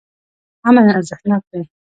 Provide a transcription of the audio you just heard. امن ارزښتناک دی.